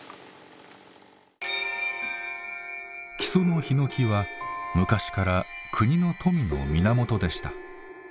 木曽のひのきは昔から国の富の源でした。